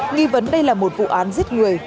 nghi vấn đây là một vụ án giết người